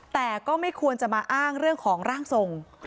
แต่ก็ไม่ควรจะมาอ้างเรื่องของร่างทรง